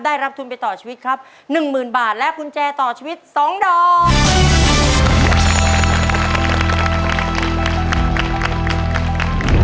ได้รับทุนไปต่อชีวิตครับ๑หมื่นบาทและกุญแจต่อชีวิต๒ดอก